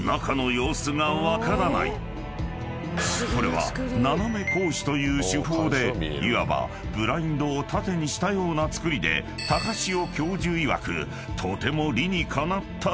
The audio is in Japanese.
［これは斜め格子という手法でいわばブラインドを縦にしたような造りで高塩教授いわくとても］